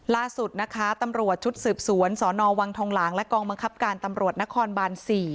ล่าสุดนะคะตํ๙๐๐ส่วนสอนอวังทงหลังและกองมังคับการตำลวดนครบาน